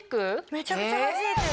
めちゃくちゃはじいてる。